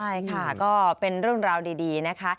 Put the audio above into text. ใช่ค่ะก็เป็นเรื่องราวดีนะคะ